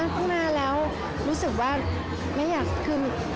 ตั้งนานแล้วรู้สึกว่าไม่อยากคือ